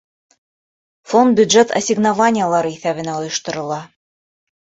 Фонд бюджет ассигнованиелары иҫәбенә ойошторола.